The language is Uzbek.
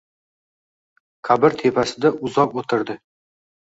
Qabr tepasida uzoq o‘tirdi